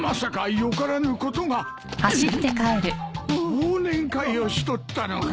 忘年会をしとったのか。